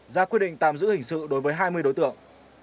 ra quyết định tạm giữ hình sự đối với hai mươi đối tượng